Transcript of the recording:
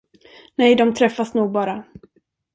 Nej, de träffas nog bara.